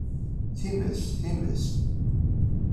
Times, times!